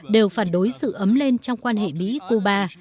đều phản đối sự ấm lên trong quan hệ mỹ cuba